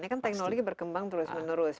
ini kan teknologi berkembang terus menerus